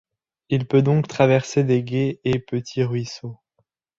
Il peut donc traverser des gués et petits ruisseaux.